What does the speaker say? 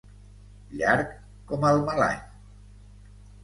Llarg com el mal any.